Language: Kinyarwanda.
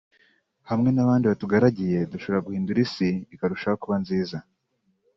hamwe n’abandi batugaragiye dushobora guhindura Isi ikarushaho kuba nziza